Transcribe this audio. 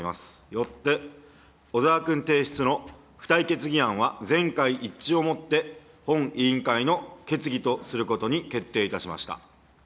よって、小沢君提出の付帯決議案は全会一致をもって、本委員会の決議とすることに決定いたしました。